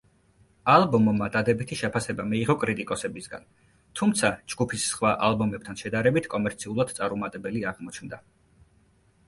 ალბომმა დადებითი შეფასება მიიღო კრიტიკოსებისგან, თუმცა ჯგუფის სხვა ალბომებთან შედარებით კომერციულად წარუმატებელი აღმოჩნდა.